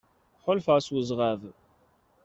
Ḥulfaɣ s uzɣab.